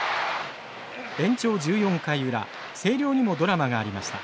延長１４回裏星稜にもドラマがありました。